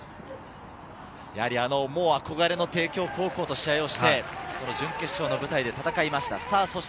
もう憧れの帝京高校と試合をして、準決勝の舞台で戦いました。